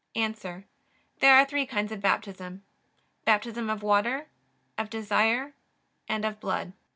A. There are three kinds of Baptism: Baptism of water, of desire, and of blood.